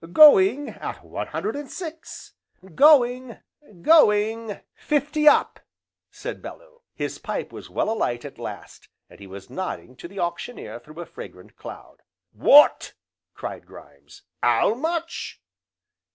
"Going at one hundred and six! going! going! " "Fifty up!" said Bellew. His pipe was well alight at last, and he was nodding to the Auctioneer through a fragrant cloud. "What!" cried Grimes, "'ow much?"